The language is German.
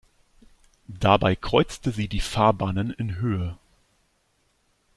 Dabei kreuzte sie die Fahrbahnen in Höhe.